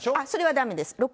それはだめです。